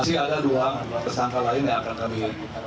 masih ada dua kesangka lain yang akan kami lakukan pengejaran